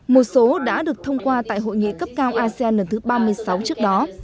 một số đã được thông qua tại hội nghị cấp cao asean lần thứ ba mươi sáu trước đó